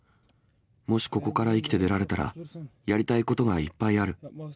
もし、ここから生きて出られたら、やりたいことがいっぱいある。